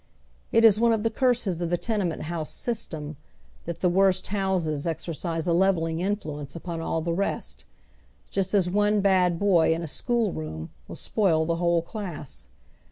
It is one of the curses of the tenement honse system that the woi'st houses exei'cise a levelling in fluence upon all the rest, just as one bad boy in a school room will spoil the whole class.